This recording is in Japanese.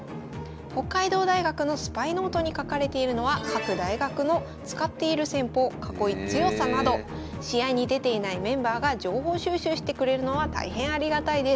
北海道大学のスパイノートに書かれているのは各大学の使っている戦法囲い強さなど試合に出ていないメンバーが情報収集してくれるのは大変ありがたいです。